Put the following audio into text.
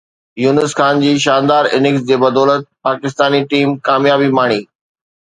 يونس خان جي شاندار اننگز جي بدولت پاڪستاني ٽيم ڪاميابي ماڻي